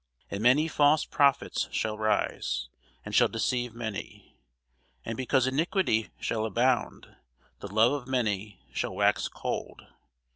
And many false prophets shall rise, and shall deceive many. And because iniquity shall abound, the love of many shall wax cold.